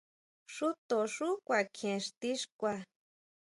Xúto xú kuakjien ixti xkua.